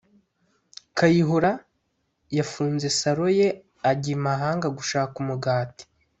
kayihura yafunze salo ye ajya i mahanga gushaka umugati